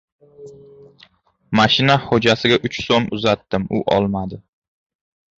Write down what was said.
Mashina xo‘jasiga uch so‘m uzatdim. U olmadi.